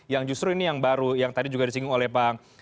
yang justru ini yang baru yang tadi juga disinggung oleh bang